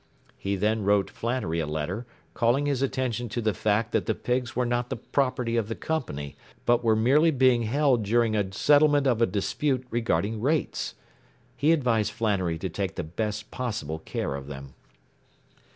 ” He then wrote Flannery a letter calling his attention to the fact that the pigs were not the property of the company but were merely being held during a settlement of a dispute regarding rates. He advised Flannery to take the best possible care of them.